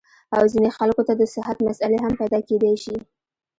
او ځينې خلکو ته د صحت مسئلې هم پېدا کېدے شي -